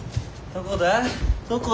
どこだ？